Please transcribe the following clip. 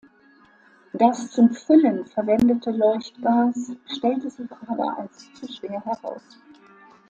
Das zum Füllen verwendete Leuchtgas stellte sich aber als zu schwer heraus.